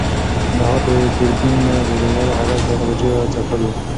کندهار ته د ګورګین د لېږلو هدف د غلجیو ځپل ول.